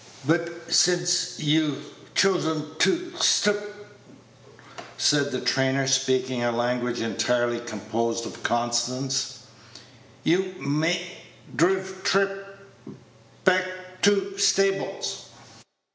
"B't s'nc'y'h'v ch's'n t' s't 'p," said the trainer, speaking a language entirely composed of consonants, "y' m'y dr'v' tr'p b'ck t' st'bl's."